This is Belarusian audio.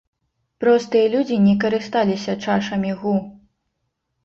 Простыя людзі не карысталіся чашамі гу.